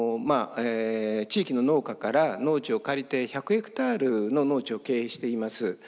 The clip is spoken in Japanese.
地域の農家から農地を借りて１００ヘクタールの農地を経営しています。